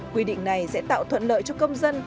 quy định này sẽ tạo thuận lợi cho công dân